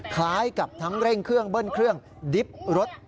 คล้ายกับทั้งเร่งเครื่องเบิ้ลเครื่องดิบรถ